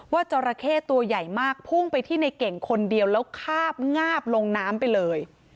จราเข้ตัวใหญ่มากพุ่งไปที่ในเก่งคนเดียวแล้วคาบงาบลงน้ำไปเลย